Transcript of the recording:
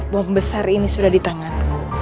boang besar ini sudah di tangan